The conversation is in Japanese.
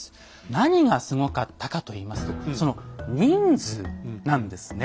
何がすごかったかといいますとその人数なんですね。